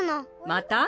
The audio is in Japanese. また？